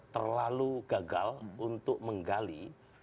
terlalu gagal untuk menggali